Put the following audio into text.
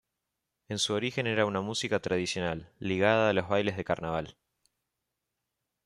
En su origen era una música tradicional, ligada a los bailes de carnaval.